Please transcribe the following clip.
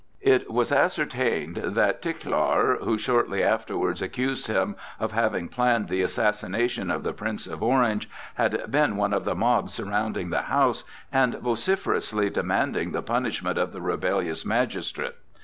It was ascertained that Tichelaar, who shortly afterwards accused him of having planned the assassination of the Prince of Orange, had been one of the mob surrounding the house and vociferously demanding the punishment of the rebellious magistrate.